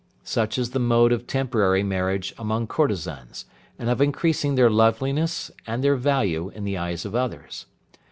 Such is the mode of temporary marriage among courtesans, and of increasing their loveliness, and their value in the eyes of others.